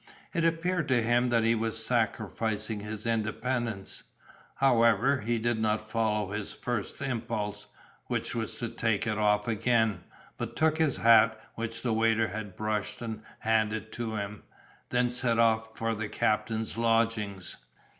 It appeared to him that he was sacrificing his independence; however, he did not follow his first impulse, which was to take it off again, but took his hat, which the waiter had brushed and handed to him, and then set off for the captain's lodgings.